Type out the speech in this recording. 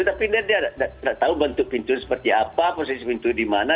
tapi dia nggak tahu bentuk pintunya seperti apa posisi pintu di mana